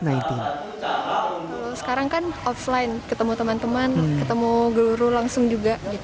sekarang kan offline ketemu teman teman ketemu guru langsung juga